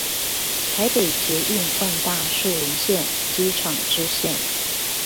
台北捷運萬大樹林線機廠支線